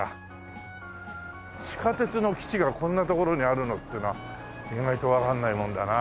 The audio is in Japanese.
地下鉄の基地がこんな所にあるのってのは意外とわかんないもんだな。